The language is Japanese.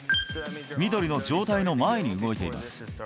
緑の上体の前に動いています。